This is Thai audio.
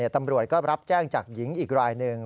ตำรวจก็รับแจ้งจากหญิงอีกรายหนึ่ง